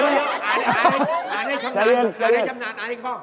อ่านให้จำนานอ่านให้ข้อ